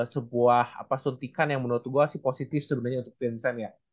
sebuah suntikan yang menurut gue sih positif sebenarnya untuk vincent ya